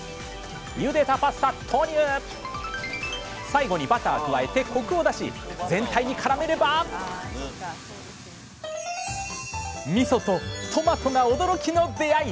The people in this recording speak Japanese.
最後にバター加えてコクを出し全体にからめればみそとトマトが驚きの出会い⁉